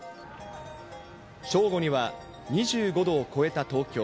正午には２５度を超えた東京。